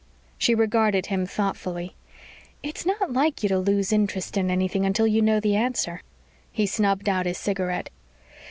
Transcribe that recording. She regarded him thoughtfully. "It's not like you to lose interest in anything until you know the answer." He snubbed out his cigarette.